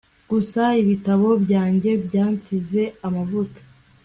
Gusa ibitabo byanjye byansize amavuta